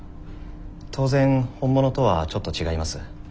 当然本物とはちょっと違います。